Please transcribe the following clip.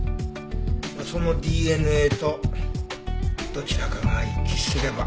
そのＤＮＡとどちらかが一致すれば。